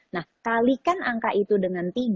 nah kalikan angka itu dengan tiga